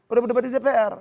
udah berdebat di dpr